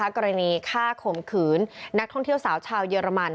กรณีฆ่าข่มขืนนักท่องเที่ยวสาวชาวเยอรมัน